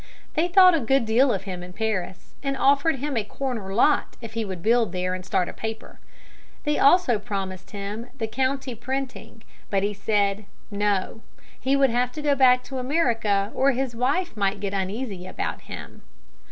They thought a good deal of him in Paris, and offered him a corner lot if he would build there and start a paper. They also promised him the county printing; but he said, No, he would have to go back to America or his wife might get uneasy about him.